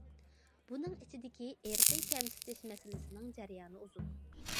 بۇنىڭ ئىچىدىكى ئىرقى كەمسىتىش مەسىلىسىنىڭ جەريانى ئۇزۇن.